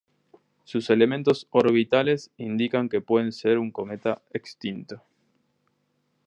Sus elementos orbitales indican que puede ser un cometa extinto.